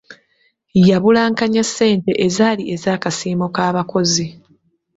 Yabulankanya ssente ezaali ez'akasiimo k'abakozi.